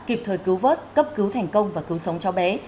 kịp thời cứu vớt cấp cứu thành công và cứu sống cho bé